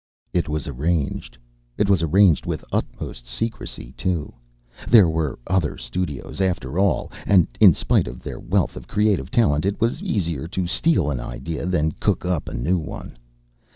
It was arranged. It was arranged with utmost secrecy too. There were other studios, after all, and in spite of their wealth of creative talent it was easier to steal an idea than cook up a new one.